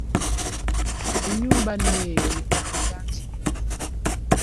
Enyumba nno eyo ye ya muganzi wange.